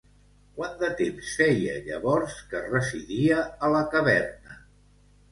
Quant de temps feia llavors que residia a la caverna?